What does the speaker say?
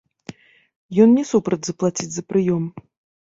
Ён не супраць заплаціць за прыём.